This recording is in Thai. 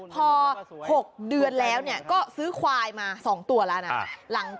พอ๖เดือนแล้วก็ซื้อควายมา๒ตัวแล้วนะ